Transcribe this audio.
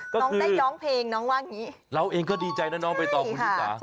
น้องได้ย้องเพลงน้องว่าอย่างนี้แล้วเองก็ดีใจนะน้องไปต่อคุณอีกค่ะ